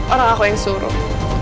orang aku yang suruh